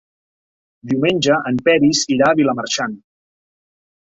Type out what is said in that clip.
Diumenge en Peris irà a Vilamarxant.